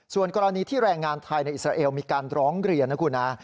ส่วนกรณีที่แรงงานไทยในอิสราเอลมีการร้องเรียนนะคุณฮะ